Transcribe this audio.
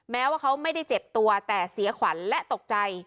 แม้ว่าเขาไม่ได้เจ็บตัวแต่เสียขวัญและตกใจ